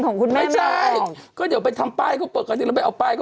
นึกว่าเป็นเทรนด์ของคุณแม่มาก